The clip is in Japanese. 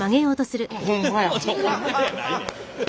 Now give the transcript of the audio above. ホンマやないねん。